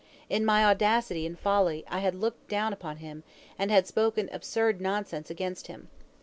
In my audacity and folly I had looked down upon him, and had spoken absurd nonsense against him.